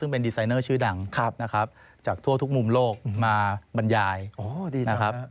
ซึ่งเป็นดีไซเนอร์ชื่อดังนะครับจากทั่วทุกมุมโลกมาบรรยายนะครับ